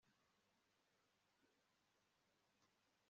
igihe kiguruka nk'umwambi; imbuto ziguruka nk'igitoki